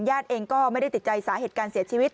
เองก็ไม่ได้ติดใจสาเหตุการเสียชีวิต